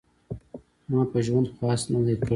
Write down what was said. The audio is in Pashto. ما په ژوند خواست نه دی کړی .